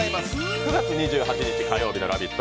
９月２８日火曜日の「ラヴィット！」